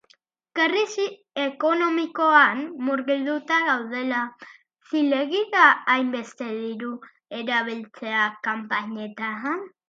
Krisi ekonomikoan murgilduta gaudela, zilegi da hainbeste diru erabiltzea kanpainetan?